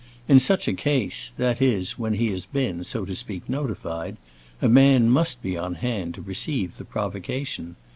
In such a case—that is, when he has been, so to speak, notified—a man must be on hand to receive the provocation.